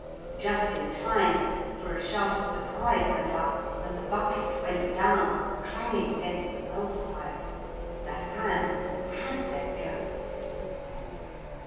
Just in time, for a shout of surprise went up and the bucket went down, clanging against the well sides. The hands had let go.